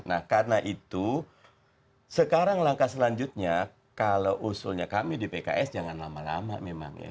nah karena itu sekarang langkah selanjutnya kalau usulnya kami di pks jangan lama lama memang ya